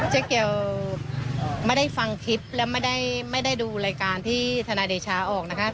เจ๊เกียวไม่ได้ฟังคลิปและไม่ได้ดูรายการที่ธนายเดชาออกนะคะ